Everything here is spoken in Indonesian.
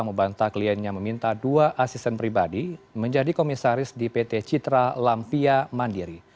membantah kliennya meminta dua asisten pribadi menjadi komisaris di pt citra lampia mandiri